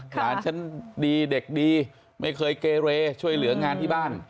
หลานฉันดีเด็กดีไม่เคยเกเรช่วยเหลืองานที่บ้าน